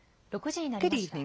６時になりました。